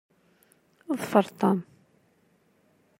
Ḍfer Tom.